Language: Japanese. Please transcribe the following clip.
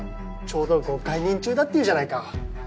ちょうどご懐妊中だっていうじゃないか。